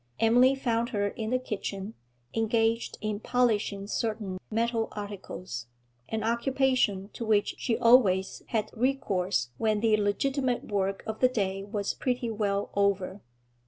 Emily found her in the kitchen, engaged in polishing certain metal articles, an occupation to which she always had recourse when the legitimate work of the day was pretty well over.